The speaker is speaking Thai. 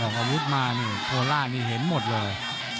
อาวุธมานี่โคล่านี่เห็นหมดเลย